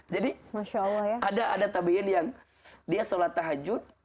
jadi ada tabiin yang dia salat tahajud